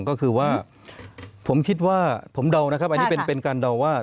ก็คือว่าผมคิดว่าผมเดานะครับอันนี้เป็นการเดาว่า